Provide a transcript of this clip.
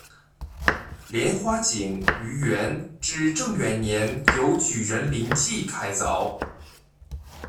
莲花井于元至正元年由举人林济开凿。